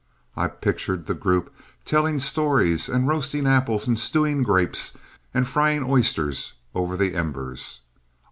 I pictured the group telling stories and roasting apples and stewing grapes and frying oysters over the embers.